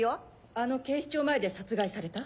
あの警視庁前で殺害された？